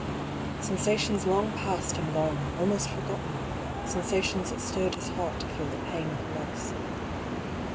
Sensations long passed and gone, almost forgotten ; sensations that stirred his heart to feel the pain of loss.